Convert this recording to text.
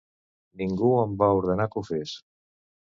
Ningú em va ordenar que ho fes.